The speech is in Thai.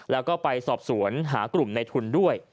แล้วก็ไปสอบสวนหากลุ่มในทุนด้วย